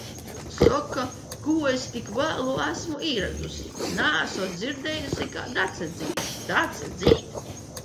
Saka, ko es tik vēlu esmu ieradusies. Neesot dzirdējusi kā Dace dzied. Dace dzied?